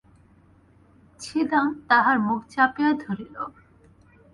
ছিদাম তাহার মুখ চাপিয়া ধরিল।